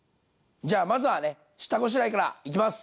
じゃあまずはね下ごしらえからいきます。